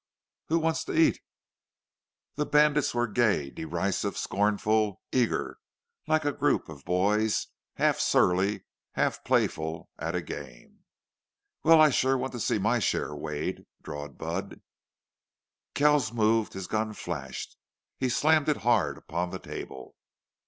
"Who wants to eat?" The bandits were gay, derisive, scornful, eager, like a group of boys, half surly, half playful, at a game. "Wal, I shore want to see my share weighted," drawled Budd. Kells moved his gun flashed he slammed it hard upon the table.